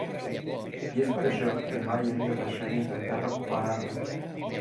I és per això que mai hem de deixar d'intentar recuperar-la.